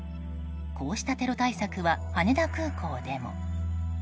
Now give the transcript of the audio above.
こうしたテロ対策は羽田空港でも。